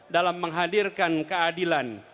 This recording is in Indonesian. dalam menghadirkan keadilan